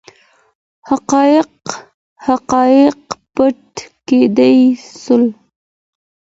حقایق پټ کړای سول.